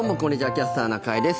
「キャスターな会」です。